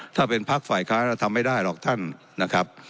ถ้าเป็นพักฝ่ายค้าทำไม่ได้หรอกท่านนะครับ